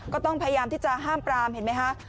ก็ต้องพยายามที่จะห้ามปรามเห็นไหมคะ